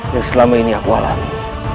yang selama ini aku alami